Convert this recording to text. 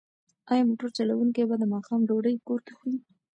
ایا موټر چلونکی به د ماښام ډوډۍ کور کې وخوري؟